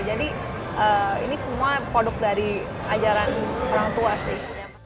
jadi ini semua produk dari ajaran orang tua sih